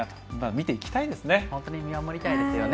見ていきたいですね。